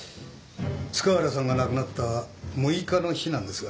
塚原さんが亡くなった６日の日なんですが。